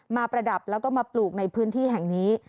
ประดับแล้วก็มาปลูกในพื้นที่แห่งนี้